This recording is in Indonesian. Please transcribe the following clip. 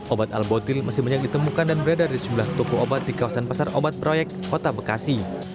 obat al botil masih banyak ditemukan dan beredar di sebelah toko obat di kawasan pasar obat proyek kota bekasi